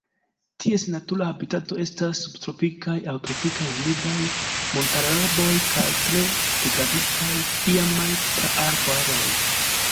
Ties natura habitato estas subtropikaj aŭ tropikaj humidaj montararbaroj kaj tre degraditaj iamaj praarbaroj.